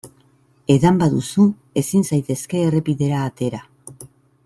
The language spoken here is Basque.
Edan baduzu ezin zaitezke errepidera atera.